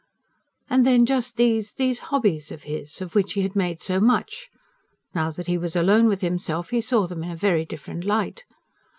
And then just these ... these hobbies of his, of which he had made so much. Now that he was alone with himself he saw them in a very different light.